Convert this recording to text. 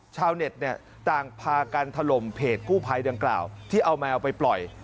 ชาวเน็ตต่างพากันถล่มเพจกู้ไผ่เดือนกล่าวที่เอาแมวไปปล่อย